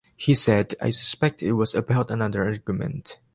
He said, I suspect it was about another argument.